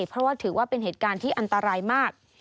เพราะว่าถือว่าเป็นเหตุการณ์ที่อันตรายมาก